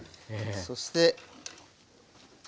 そして。